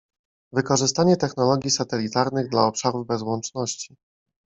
Wykorzystanie technologii satelitarnych dla obszarów bez łączności